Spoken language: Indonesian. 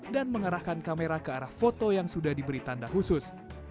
dan mengarahkan kamera ke arah foto yang sudah diberi tanda khusus